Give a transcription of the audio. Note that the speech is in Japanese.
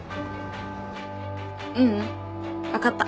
ううん分かった。